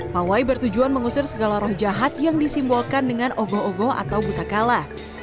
pawai bertujuan mengusir segala roh jahat yang disimbolkan dengan ogo ogo atau buta kala